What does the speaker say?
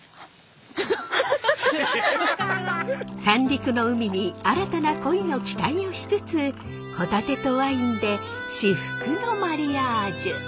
三陸の海に新たな恋の期待をしつつホタテとワインで至福のマリアージュ。